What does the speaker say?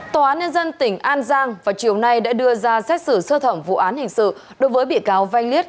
tòa án nhân dân tỉnh an giang vào chiều nay đã đưa ra xét xử sơ thẩm vụ án hình sự đối với bị cáo vanh liên